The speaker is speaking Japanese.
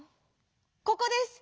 「ここです！